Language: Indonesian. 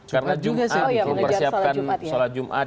karena jumat bersiapkan sholat jumat